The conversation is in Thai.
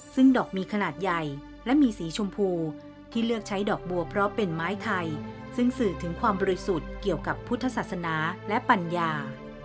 ซึ่งดอกมีขนาดใหญ่และมีสีชมพูที่เลือกใช้ดอกบัวเพราะเป็นไม้ไทยซึ่งสื่อถึงความบริสุทธิ์เกี่ยวกับพุทธศาสนาและปัญญา